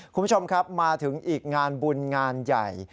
คุณผู้ชมครับมาถึงอีกงานบุญงานใหญ่